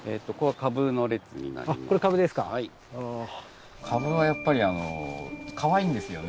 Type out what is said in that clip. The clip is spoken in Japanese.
かぶはやっぱりあのかわいいんですよね。